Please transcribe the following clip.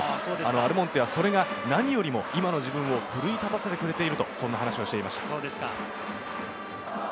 アルモンテはそれが何よりも今の自分を奮い立たせてくれていると話していました。